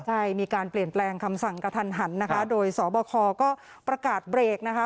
ใช่มีการเปลี่ยนแปลงคำสั่งกระทันหันนะคะโดยสบคก็ประกาศเบรกนะคะ